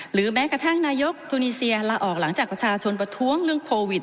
แม้กระทั่งนายกทูนีเซียลาออกหลังจากประชาชนประท้วงเรื่องโควิด